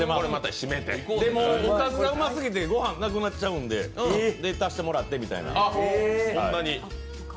でも、おかずがうますぎてご飯なくなっちゃうんで、足してもらってみたいな。